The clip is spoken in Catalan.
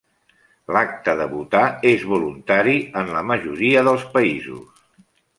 L'acte de votar és voluntari en la majoria dels països.